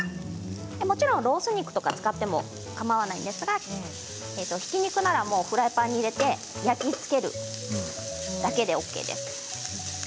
もちろんロース肉とか使ってもかまわないんですがひき肉ならフライパンに入れて焼き付けるだけでＯＫです。